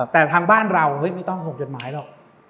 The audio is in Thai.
แต่ทางบ้านเราไม่ต้องห่วงจดหมายหรอก